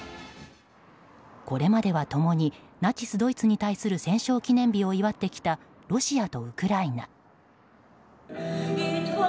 これまでは共にナチスドイツに対する戦勝記念日を祝ってきたロシアとウクライナ。